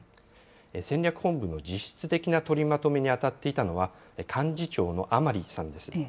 戦略本部の実質的な取りまとめに当たっていたのは、幹事長の甘利さんです。